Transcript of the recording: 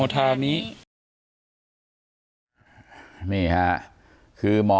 สวัสดีครับ